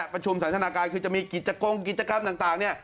ประชุมสันทนาการคือจะมีกิจกงกิจกรรมต่างเนี่ย